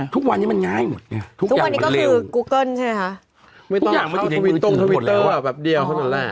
ทุกอย่างเขาถูกรูปสิบหมดแล้ว